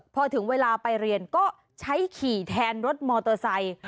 พอถึงเวลาไปเรียนก็ใช้ขี่แทนรถมอเตอร์ไซค์